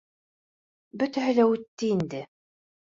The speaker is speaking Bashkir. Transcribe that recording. Бөтәһе лә үтте инде.